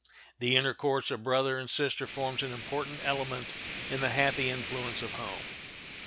The intercourse of brother and sister forms an important element in the happy influence of home.